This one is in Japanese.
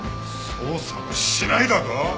「捜査もしない」だと！？